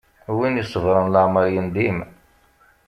Win isebṛen leεmeṛ yendim.